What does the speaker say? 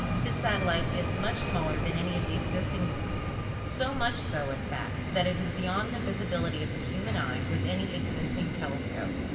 This satellite is much smaller than any of the existing moons; so much so, in fact, that SATURN 209 at is beyond the visibility of the human eye with any existing telescope.